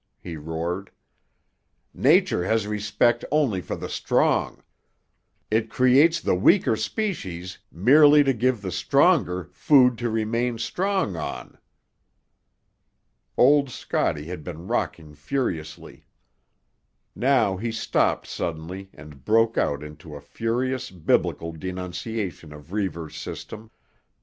he roared. "Nature has respect only for the strong. It creates the weaker species merely to give the stronger food to remain strong on." Old Scotty had been rocking furiously. Now he stopped suddenly and broke out into a furious Biblical denunciation of Reivers' system.